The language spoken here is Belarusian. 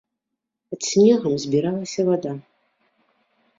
Пад снегам збіралася вада.